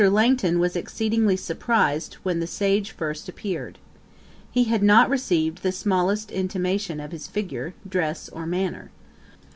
Langton was exceedingly surprised when the sage first appeared. He had not received the smallest intimation of his figure, dress, or manner.